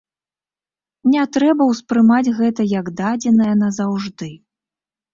Не трэба ўспрымаць гэта як дадзенае на заўжды.